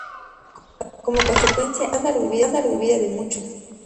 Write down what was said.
Como consecuencia, el estándar de vida de muchos declina.